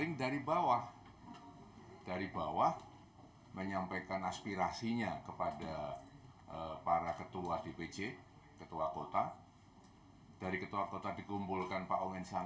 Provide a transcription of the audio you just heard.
gubernur ahok sebagai calon gubernur yang